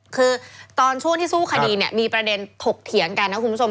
คือตอนช่วงที่สู้คดีเนี่ยมีประเด็นถกเถียงกันนะคุณผู้ชม